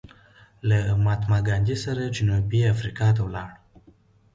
له مهاتما ګاندې سره جنوبي افریقا ته ولاړ.